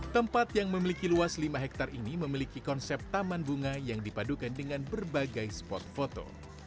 tempat yang memiliki luas lima hektare ini memiliki konsep taman bunga yang dipadukan dengan berbagai spot foto